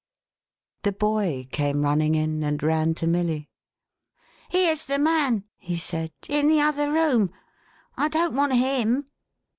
The boy came running in, and ran to Milly. "Here's the man," he said, "in the other room. I don't want him.